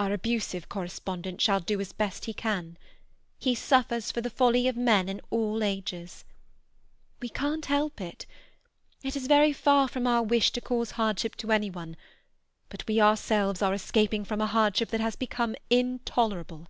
"Our abusive correspondent shall do as best he can. He suffers for the folly of men in all ages. We can't help it. It is very far from our wish to cause hardship to any one, but we ourselves are escaping from a hardship that has become intolerable.